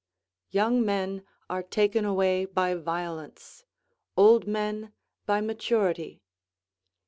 ["Young men are taken away by violence, old men by maturity."